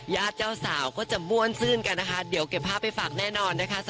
ญาติเจ้าสาวก็จะม่วนซื่นกันนะคะเดี๋ยวเก็บภาพไปฝากแน่นอนนะคะ